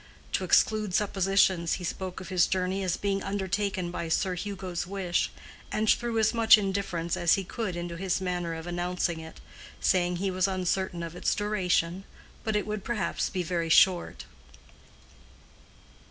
To exclude suppositions, he spoke of his journey as being undertaken by Sir Hugo's wish, and threw as much indifference as he could into his manner of announcing it, saying he was uncertain of its duration, but it would perhaps be very short.